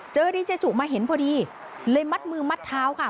ดีเจจุมาเห็นพอดีเลยมัดมือมัดเท้าค่ะ